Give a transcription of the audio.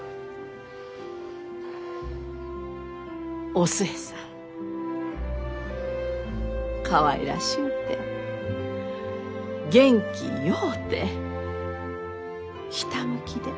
お寿恵さんかわいらしゅうて元気ようてひたむきで。